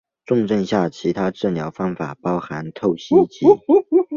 重症下其他治疗方法包含透析及。